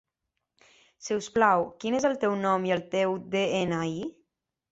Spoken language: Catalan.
Si us plau, quin és el teu nom i el teu de-ena-i?